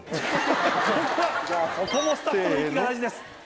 ここもスタッフの息が大事です。